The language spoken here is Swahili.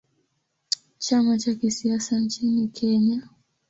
Chama cha kisiasa nchini Kenya.